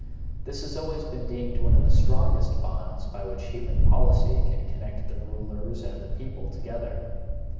This has always been deemed one of the strongest bonds by which human policy can connect the rulers and the people together.